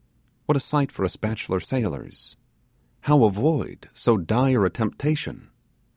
What a sight for us bachelor sailors! How avoid so dire a temptation?